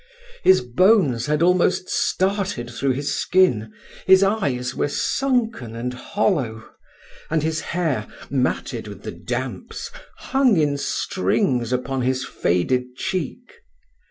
His bones had almost started through his skin; his eyes were sunken and hollow; and his hair, matted with the damps, hung in strings upon his faded cheek.